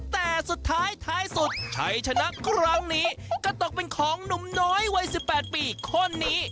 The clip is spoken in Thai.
แต่สุดท้ายท้ายสุดชัยชนะครั้งนี้ก็ตกเป็นของหนุ่มน้อยวัย๑๘ปีคนนี้